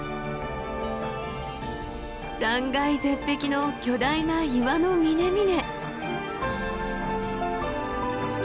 断崖絶壁の巨大な岩の峰々。